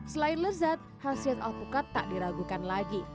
selain lezat khasiat alpukat tak diragukan lagi